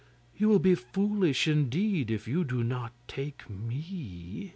You will be foolish indeed if you do not take me.